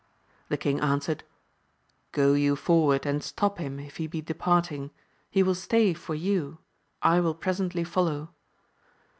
The king answered, Go you forward and stop him if he be departing ; he will stay for you. I will presently follow.